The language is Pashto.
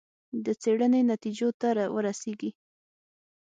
د څېړنې نتیجو ته ورسېږي.